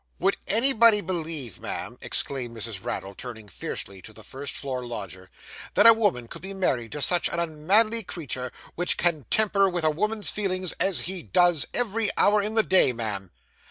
'Would anybody believe, ma'am,' exclaimed Mrs. Raddle, turning fiercely to the first floor lodger, 'that a woman could be married to such a unmanly creetur, which can tamper with a woman's feelings as he does, every hour in the day, ma'am?